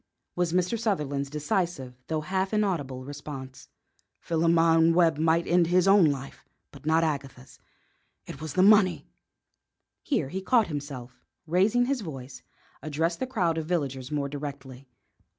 was Mr. Sutherland's decisive though half inaudible response. "Philemon Webb might end his own life, but not Agatha's. It was the money " Here he caught himself up, and, raising his voice, addressed the crowd of villagers more directly.